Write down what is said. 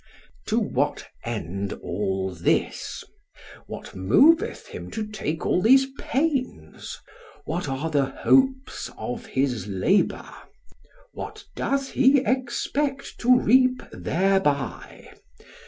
To what end all this? What moveth him to take all these pains? What are the hopes of his labour? What doth he expect to reap thereby?